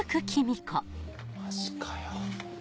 マジかよ。